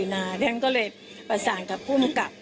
นะคะแล้วก็